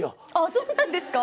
そうなんですか？